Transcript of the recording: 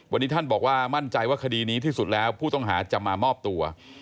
วันนี้ท่านบอกว่ามั่นใจว่าคดีนี้ที่สุดแล้วผู้ต้องหาจะมามอบตัว